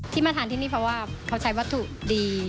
มาทานที่นี่เพราะว่าเขาใช้วัตถุดี